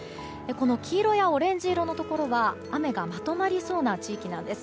この黄色やオレンジ色のところは雨がまとまりそうな地域なんです。